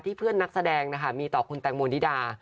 เพื่อนนักแสดงนะคะมีต่อคุณแตงโมนิดา